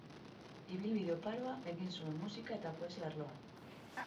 Ibilbide oparoa egin zuen musika eta poesia arloan.